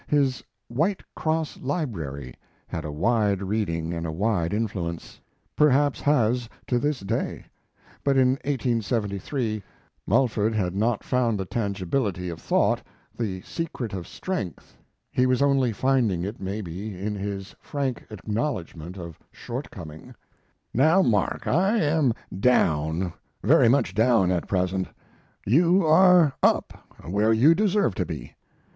His "White Cross Library" had a wide reading and a wide influence; perhaps has to this day. But in 1873 Mulford had not found the tangibility of thought, the secret of strength; he was only finding it, maybe, in his frank acknowledgment of shortcoming: Now, Mark, I am down very much down at present; you are up where you deserve to be.